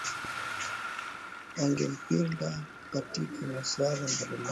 wangempinga katika masuala mbalimbali